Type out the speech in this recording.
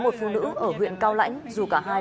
một phụ nữ ở huyện cao lãnh dù cả hai